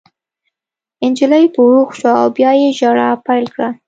نجلۍ په هوښ شوه او بیا یې ژړا پیل کړه